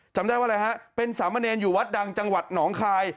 จำได้ว่าอะไรฮะเป็นสามเณรอยู่วัดดังจังหวัดหนองคาย